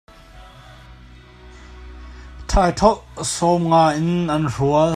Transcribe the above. Ṭhaiṭholh sawmnga in an hrual.